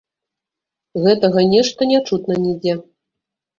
Гэтага нешта не чутна нідзе.